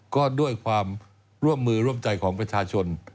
ก็ด้วยความร่วมมือร่วมใจของประชาชน